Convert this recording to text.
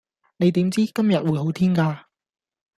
你點知今日會好天架